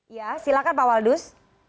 ya silakan pak waldus